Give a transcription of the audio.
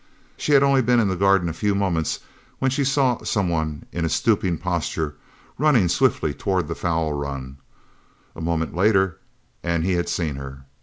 She had only been in the garden a few moments when she saw some one, in a stooping posture, running swiftly towards the fowl run. A moment later and he had seen her.